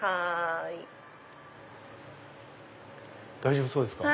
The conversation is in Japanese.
大丈夫そうですか？